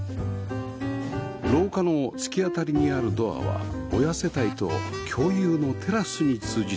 廊下の突き当たりにあるドアは親世帯と共有のテラスに通じています